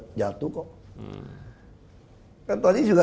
saya dikatakan tidak lolos putaran pertama